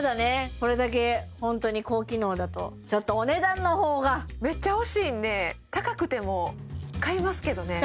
これだけホントに高機能だとちょっとお値段の方がめっちゃ欲しいんで高くても買いますけどね